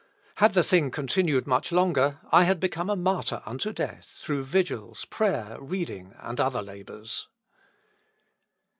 Had the thing continued much longer I had become a martyr unto death, through vigils, prayer, reading, and other labours."